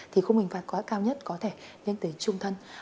thì khung hình phạt có cao nhất có thể đến tới trung thân